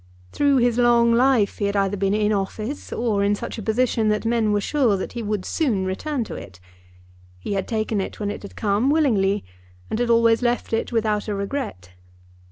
Through his long life he had either been in office, or in such a position that men were sure that he would soon return to it. He had taken it, when it had come, willingly, and had always left it without a regret.